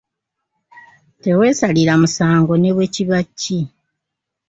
Teweesalira musango ne bwe kiba ki.